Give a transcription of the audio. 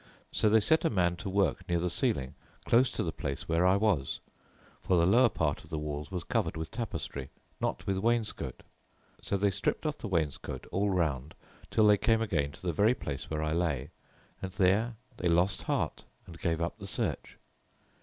So they set a man to work near the ceiling, close to the place where I was: for the lower part of the walls was covered with tapestry, not with wainscot. So they stripped off the wainscot all round till they came again to the very place where I lay, and there they lost heart and gave up the search.